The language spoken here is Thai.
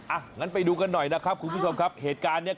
อ่ะงั้นไปดูกันหน่อยนะครับคุณผู้ชมครับเหตุการณ์เนี้ย